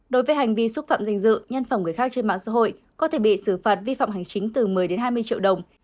đối với hành vi xúc phạm danh dự nhân phẩm người khác trên mạng xã hội có thể bị xử phạt vi phạm hành chính từ một mươi đến hai mươi triệu đồng